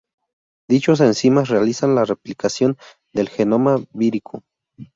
Dichos enzimas realizan la replicación del genoma vírico.